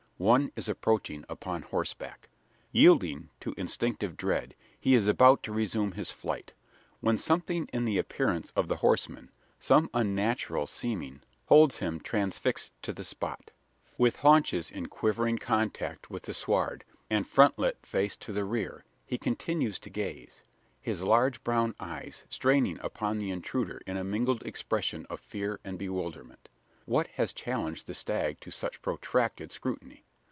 One is approaching upon horseback. Yielding to instinctive dread, he is about to resume his flight: when something in the appearance of the horseman some unnatural seeming holds him transfixed to the spot. With haunches in quivering contact with the sward, and frontlet faced to the rear, he continues to gaze his large brown eyes straining upon the intruder in a mingled expression of fear and bewilderment. What has challenged the stag to such protracted scrutiny?